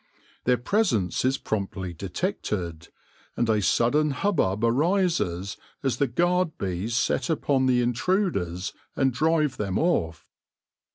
Their presence is promptly detected, and a sudden hubbub arises as the guard bees set upon the intruders and drive them off.